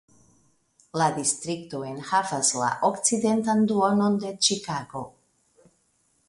La distrikto enhavas la okcidentan duonon de Ĉikago.